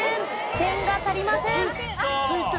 点が足りません。